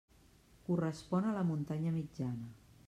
Correspon a la muntanya mitjana.